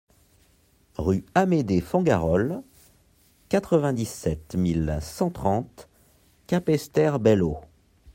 Rue Amédée Fengarol, quatre-vingt-dix-sept mille cent trente Capesterre-Belle-Eau